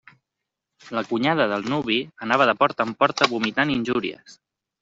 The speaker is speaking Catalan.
La cunyada del nuvi anava de porta en porta vomitant injúries.